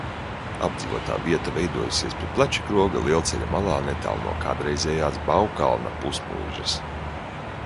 Apdzīvotā vieta veidojusies pie Plačakroga lielceļa malā, netālu no kādreizējās Baukalna pusmuižas.